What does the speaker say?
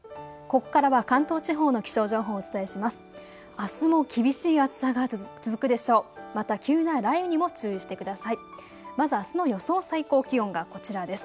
ここからは関東地方の気象情報をお伝えします。